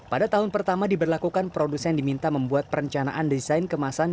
pada tahun pertama diberlakukan produsen diminta membuat perencanaan desain kemasan